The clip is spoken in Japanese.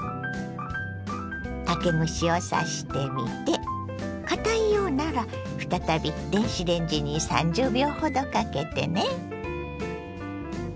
竹串を刺してみてかたいようなら再び電子レンジに３０秒ほどかけてね。